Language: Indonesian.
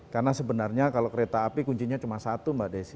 karena sebenarnya kalau kereta api kuncinya cuma satu mbak desi